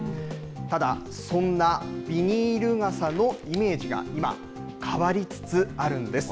ただ、そんなビニール傘のイメージが今、変わりつつあるんです。